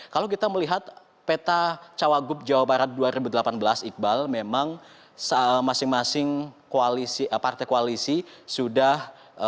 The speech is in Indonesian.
kalau kita melihat peta cawagup jawa barat dua ribu delapan belas iqbal memang masing masing partai koalisi sudah